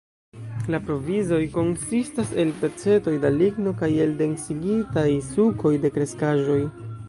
La provizoj konsistas el pecetoj da ligno kaj el densigitaj sukoj de kreskaĵoj.